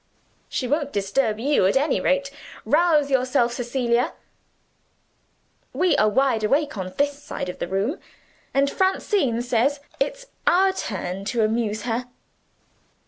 "She won't disturb you, at any rate! Rouse yourself, Cecilia. We are wide awake on this side of the room and Francine says it's our turn to amuse her."